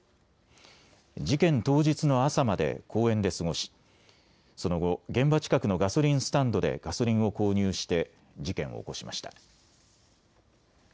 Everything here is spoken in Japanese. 事件当日の朝まで公園で過ごしその後、現場近くのガソリンスタンドでガソリンを購入して事件を起こしました。